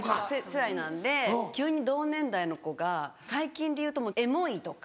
世代なので急に同年代の子が最近でいうと「エモい」とか。